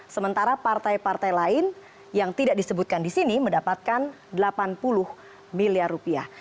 sementara partai partai lain yang tidak disebutkan di sini mendapatkan delapan puluh miliar rupiah